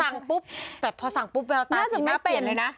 สั่งปุ๊บแต่พอสั่งปุ๊บแล้วตาสีหน้าปุ่นเลยนะ